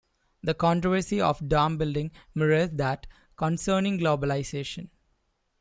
The controversy of dam building mirrors that concerning globalization.